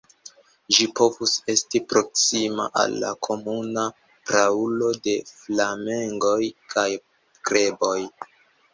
Ĝi povus esti proksima al la komuna praulo de flamengoj kaj greboj.